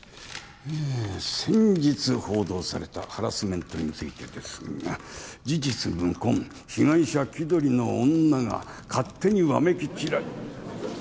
えぇ先日報道されたハラスメントについてですが事実無根被害者気取りの女が勝手にわめき散ら。